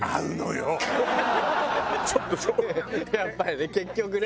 やっぱりね結局ね。